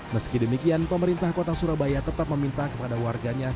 meski demikian pemerintah kota surabaya tetap meminta kepada warganya